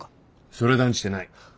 それは断じてない。